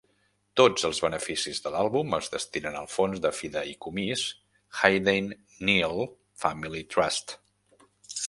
Tots els beneficis de l'àlbum es destinen al fons de fideïcomís Haydain Neale Family Trust.